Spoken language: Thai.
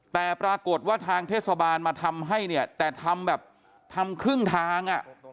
แต่ปรากฏว่าทางเทศบาลมาทำให้เนี่ยแต่ทำแบบทำครึ่งทางอ่ะ